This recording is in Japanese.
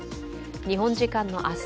日本時間の明日